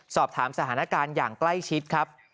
สอบถามสถานการณ์อย่างใกล้ชิดครับ